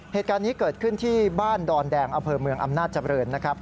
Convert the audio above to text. เหตุการณ์นี้เกิดขึ้นที่บ้านดอนแดงอำเภอเมืองอำนาจเจริญนะครับ